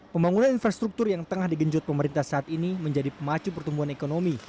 pembangunan infrastruktur yang tengah digenjot pemerintah saat ini menjadi pemacu pertumbuhan ekonomi